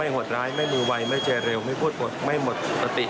ไม่หวดล้ายไม่มือไวไม่เจเร็วไม่พูด๒๐๒๔ไม่หมดสติ